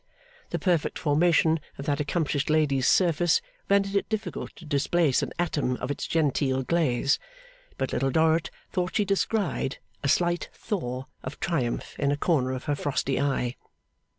The perfect formation of that accomplished lady's surface rendered it difficult to displace an atom of its genteel glaze, but Little Dorrit thought she descried a slight thaw of triumph in a corner of her frosty eye.